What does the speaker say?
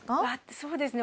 そうですね。